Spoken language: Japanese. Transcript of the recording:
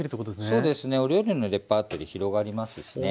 そうですねお料理のレパートリー広がりますしね。